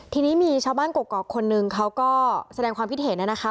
ทีนี้มีชาวบ้านกรกคนหนึ่งเสด็งความพิเทศนะคะ